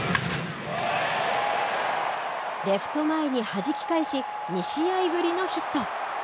レフト前に、はじき返し２試合ぶりのヒット。